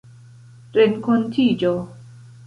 renkontiĝo